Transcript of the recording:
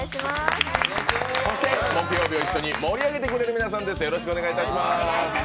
そして木曜日を一緒に盛り上げてくれる皆さんです。